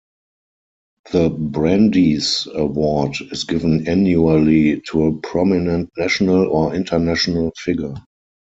The Brandeis Award is given annually to a prominent national or international figure.